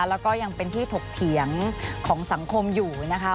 แล้วก็ยังเป็นที่ถกเถียงของสังคมอยู่นะคะ